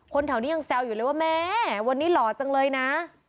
แถวนี้ยังแซวอยู่เลยว่าแม่วันนี้หล่อจังเลยนะ